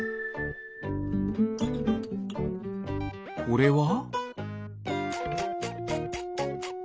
これは？